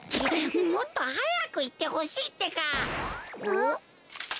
もっとはやくいってほしいってか！